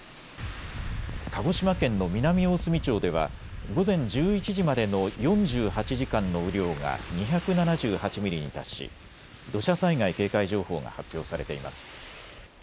鹿児島県の南大隅町では午前１１時までの４８時間の雨量が２７８ミリに達し土砂災害警戒情報が発表されています。